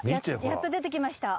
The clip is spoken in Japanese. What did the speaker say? やっと出てきました。